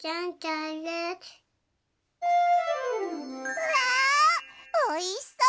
うわおいしそう！